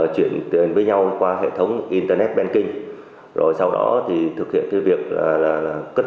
chuyển tiền với nhau qua hệ thống internet banking rồi sau đó thì thực hiện việc cất